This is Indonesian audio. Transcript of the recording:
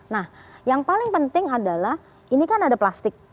nah yang paling penting adalah ini kan ada plastik